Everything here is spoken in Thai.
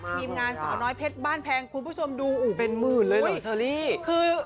ทีมงานสาวน้อยเพชรบ้านแพงคุณผู้ชมดูอู๋เป็นหมื่นเลยเหรอเชอรี่คือ